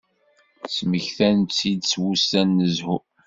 Smektan-tt-id s wussan n zzhu.